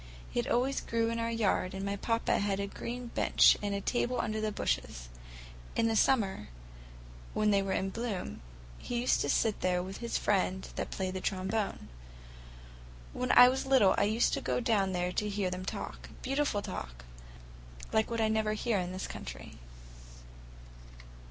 It always grew in our yard and my papa had a green bench and a table under the bushes. In summer, when they were in bloom, he used to sit there with his friend that played the trombone. When I was little I used to go down there to hear them talk—beautiful talk, like what I never hear in this country."